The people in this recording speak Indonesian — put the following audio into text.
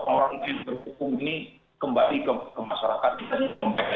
orang yang berhukum ini kembali ke masyarakat